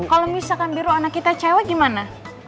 kalau misalkan biru anak kita cewek gimana